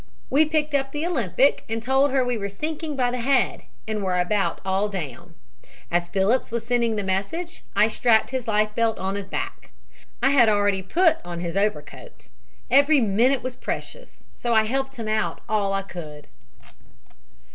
"We picked up the Olympic and told her we were sinking by the head and were about all down. As Phillips was sending the message I strapped his life belt to his back. I had already put on his overcoat. Every minute was precious, so I helped him all I could.